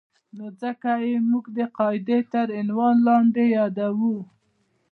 نو ځکه یې موږ د قاعدې تر عنوان لاندې یادوو.